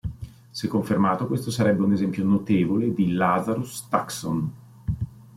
Se confermato, questo sarebbe un esempio notevole di Lazarus taxon.